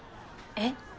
えっ。